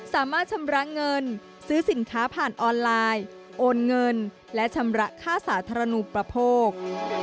สามารถชำระเงินซื้อสินค้าผ่านออนไลน์โอนเงินและชำระค่าสาธารณูประโภค